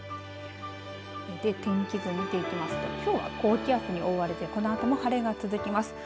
天気図を見ていきますときょうは高気圧に覆われてこのあとも晴れが続きます。